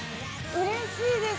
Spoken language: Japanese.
うれしいです。